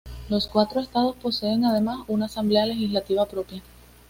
Los cuatro estados poseen además una asamblea legislativa propia.